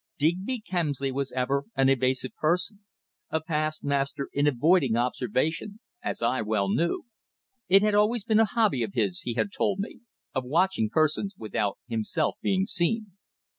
Digby Kemsley was ever an evasive person a past master in avoiding observation, as I well knew. It had always been a hobby of his, he had told me, of watching persons without himself being seen.